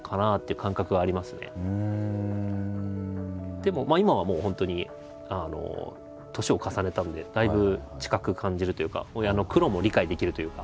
でも今はもう本当に年を重ねたんでだいぶ近く感じるというか親の苦労も理解できるというか。